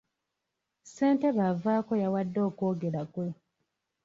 Ssentebe avaako yawadde okwogera kwe.